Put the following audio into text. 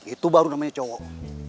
itu baru namanya cowok